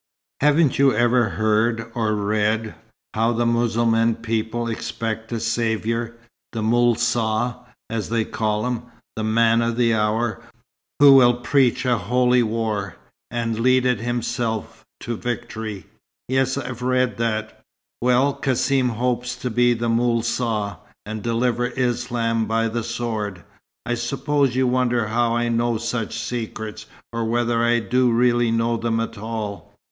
Haven't you ever heard, or read, how the Mussulman people expect a saviour, the Moul Saa, as they call him the Man of the Hour, who will preach a Holy War, and lead it himself, to victory?" "Yes, I've read that " "Well, Cassim hopes to be the Moul Saa, and deliver Islam by the sword. I suppose you wonder how I know such secrets, or whether I do really know them at all.